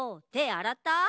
あらった？